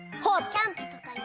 キャンプとかに。